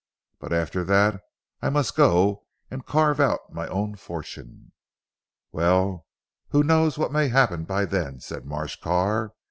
"But after that I must go and carve out my own fortune." "Well, who knows what may happen by then," said Marsh Carr.